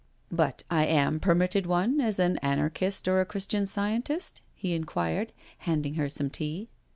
" But I am permitted one as an Anarchist or a Christian Scientist? "he inquired, handing her some tea.